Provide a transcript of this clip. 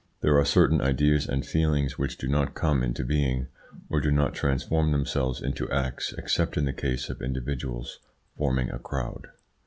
There are certain ideas and feelings which do not come into being, or do not transform themselves into acts except in the case of individuals forming a crowd.